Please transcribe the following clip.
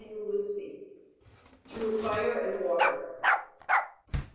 W. LUCY. THROUGH FIRE AND WATER.